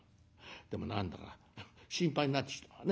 でも何だか心配になってきたわね。